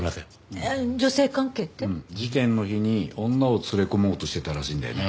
事件の日に女を連れ込もうとしてたらしいんだよね。